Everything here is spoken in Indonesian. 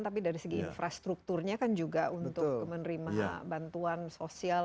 tapi dari segi infrastrukturnya kan juga untuk menerima bantuan sosial